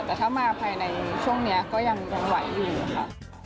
แต่ถ้ามาภายในช่วงนี้ก็ยังไหวอยู่ค่ะ